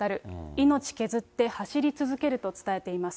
命削って走り続けると伝えています。